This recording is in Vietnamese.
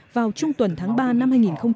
vào trung tuần tháng ba năm hai nghìn một mươi chín